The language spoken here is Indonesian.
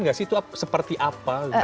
nggak sih itu seperti apa